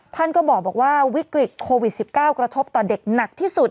ท่านก็บอกว่าวิกฤตโควิด๑๙กระทบต่อเด็กหนักที่สุด